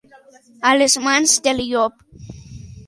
A les mans del llop.